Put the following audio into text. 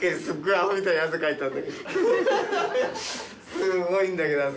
すごいんだけど汗。